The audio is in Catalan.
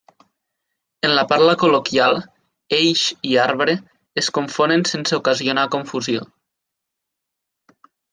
En la parla col·loquial eix i arbre es confonen sense ocasionar confusió.